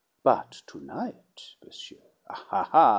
But to night, monsieur ha, ha!